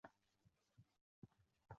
地形轮廓呈南尖北宽之形状。